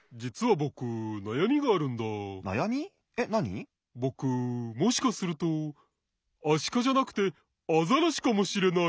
ぼくもしかするとアシカじゃなくてアザラシかもしれない。